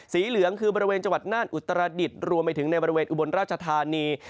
เหลืองคือบริเวณจังหวัดน่านอุตรดิษฐ์รวมไปถึงในบริเวณอุบลราชธานี